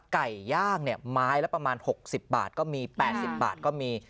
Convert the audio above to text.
ไก่ย่างไม้ละประมาณ๖๐บาทก็มี๘๐บาทก็มี